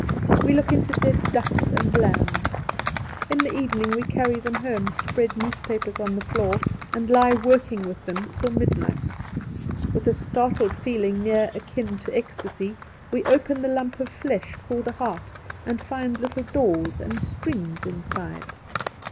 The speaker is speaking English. We look into dead ducks and lambs. In the evening we carry them home, spread newspapers on the floor, and lie working with them till midnight. With a started feeling near akin to ecstasy we open the lump of flesh called a heart, and find little doors and strings inside.